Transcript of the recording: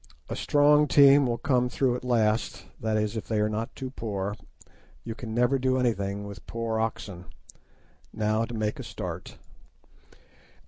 A strong team will come through at last, that is, if they are not too poor. You can never do anything with poor oxen. Now to make a start.